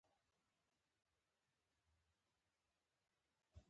د حرارت آخذه د چاپیریال یا بدن دننۍ تودوخه محرک کوي.